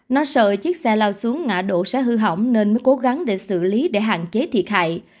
nó sợ chiếc xe lao xuống ngã đổ sẽ hư hỏng nên mới cố gắng để xử lý để hạn chế thiệt hại